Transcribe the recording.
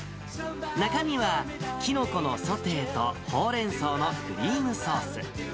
中身はキノコのソテーとホウレンソウのクリームソース。